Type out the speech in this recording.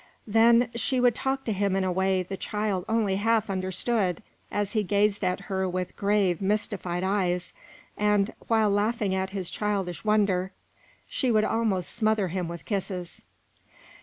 Then she would talk to him in a way the child only half understood, as he gazed at her with grave, mystified eyes, and, while laughing at his childish wonder, she would almost smother him with kisses.